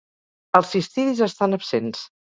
Els cistidis estan absents.